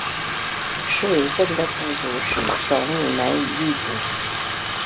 水分的不足使乔木难以立足。